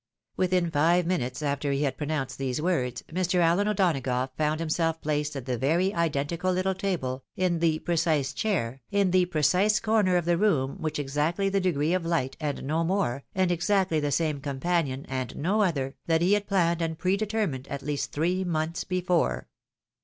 Within five minutes after he had pronounced these words, ]\Ir. Allen O'Donagough found Mmself placed at the very iden tical httle table, in the precise chair, in the precise corner of the room, with exactly the degree of light, and no more, and exactly the same companion, and no other, that he had planned and predetermined, at least three months before.